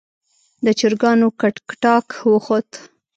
د چرګانو کټکټاک وخوت.